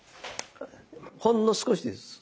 ほんの少しです